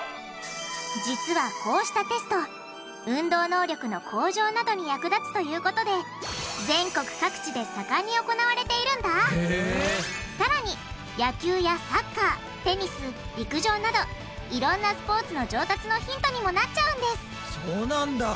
実はこうしたテスト運動能力の向上などに役立つということでさらに野球やサッカーテニス陸上などいろんなスポーツの上達のヒントにもなっちゃうんですそうなんだ。